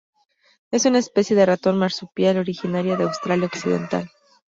Es una especie de ratón marsupial originaria de Australia Occidental.